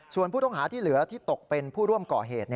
ส่วนผู้ต้องหาที่เหลือที่ตกเป็นผู้ร่วมก่อเหตุ